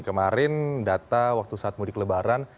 kemarin data waktu saat mudik lebaran